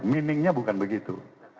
meaning nya bukan begitu